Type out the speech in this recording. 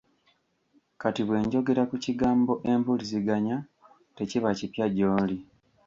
Kati bwe njogera ku kigambo empuliziganya tekiba kipya gy’oli.